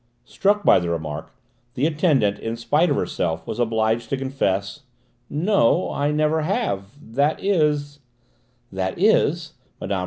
Struck by the remark, the attendant, in spite of herself, was obliged to confess: "No, I never have that is " "That is," Mme.